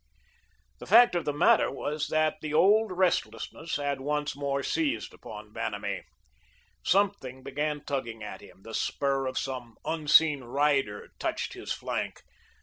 The fact of the matter was that the old restlessness had once more seized upon Vanamee. Something began tugging at him; the spur of some unseen rider touched his flank.